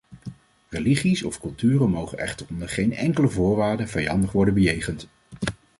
Religies of culturen mogen echter onder geen enkele voorwaarde vijandig worden bejegend.